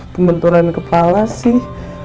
pembenturan kepala sih